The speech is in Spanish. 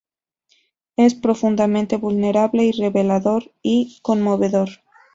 Es profundamente vulnerable, revelador y conmovedor".